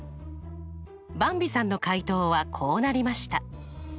ばんびさんの解答はこうなりました。